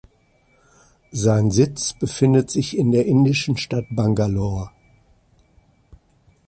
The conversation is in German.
Sein Sitz befindet sich in der indischen Stadt Bangalore.